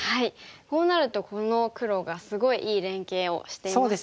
こうなるとこの黒がすごいいい連携をしていますよね。